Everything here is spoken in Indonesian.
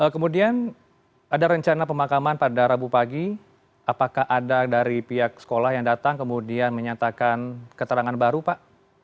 kemudian ada rencana pemakaman pada rabu pagi apakah ada dari pihak sekolah yang datang kemudian menyatakan keterangan baru pak